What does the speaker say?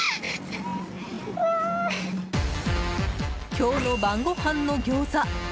今日の晩ごはんのギョーザ。